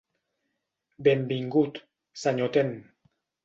Benvingut, senyor Ten.